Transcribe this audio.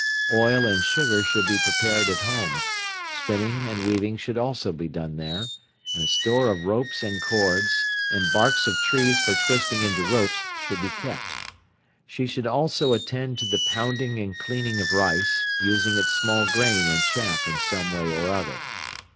Oil and sugar should be prepared at home; spinning and weaving should also be done there; and a store of ropes and cords, and barks of trees for twisting into ropes should be kept. She should also attend to the pounding and cleaning of rice, using its small grain and chaff in some way or other.